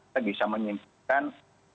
kita bisa menyimpulkan